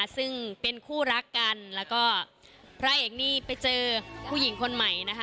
ซึ่งเป็นคู่รักกันแล้วก็พระเอกนี่ไปเจอผู้หญิงคนใหม่นะคะ